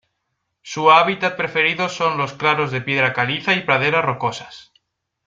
Su hábitat preferido son los claros de piedra caliza y praderas rocosas.